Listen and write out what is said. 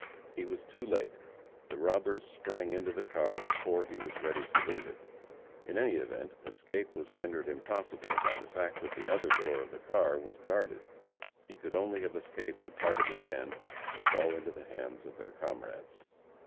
He was too late. The robbers sprang into the car before he was ready to leave it. In any event, escape was rendered impossible by the fact that the other door of the car was guarded. He could only have escaped a part of the band to fall into the hands of their comrades.